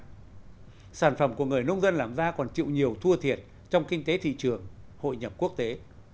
ngoài sản phẩm của người nông dân làm ra còn chịu nhiều thua thiệt trong kinh tế thị trường hội nhập quốc tế